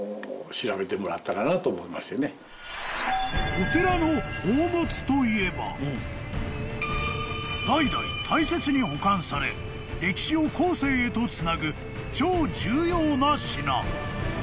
［お寺の宝物といえば代々大切に保管され歴史を後世へとつなぐ超重要な品］